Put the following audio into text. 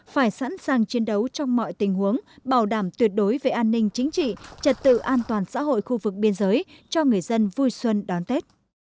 phải sẵn sàng chiến đấu trong mọi tình huống bảo đảm tuyệt đối về an ninh chính trị trật tự an toàn xã hội khu vực biên giới cho người dân vui xuân đón tết